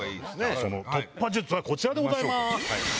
その突破術はこちらでございます。